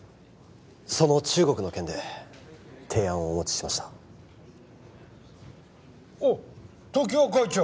その中国の件で提案をお持ちしましたおっ常盤会長！